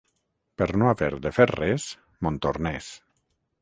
Per no haver de fer res, Montornès.